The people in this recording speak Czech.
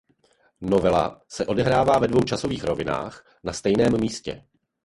Novela se odehrává ve dvou časových rovinách na stejném místě.